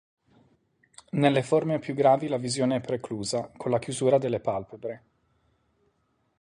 Nelle forme più gravi la visione è preclusa, con la chiusura delle palpebre.